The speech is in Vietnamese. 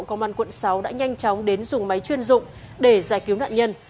công an quận sáu đã nhanh chóng đến dùng máy chuyên dụng để giải cứu nạn nhân